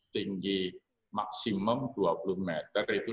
tinggi maksimum dua puluh meter itu